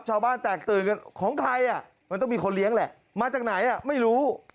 ชาวบ้านแตกตื่นกันของใครอ่ะมันต้องมีคนเลี้ยงแหละมาจากไหนไม่รู้